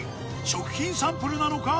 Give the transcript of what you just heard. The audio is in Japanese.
食品サンプルなのか？